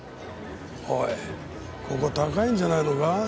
おいここ高いんじゃないのか？